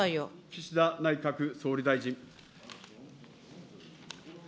岸田内閣総理大臣。